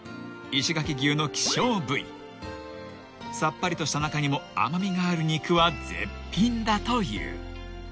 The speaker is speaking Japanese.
［さっぱりとした中にも甘味がある肉は絶品だという］